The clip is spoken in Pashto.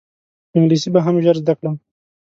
خو انګلیسي به هم ژر زده کړم.